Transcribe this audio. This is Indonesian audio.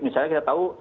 misalnya kita tahu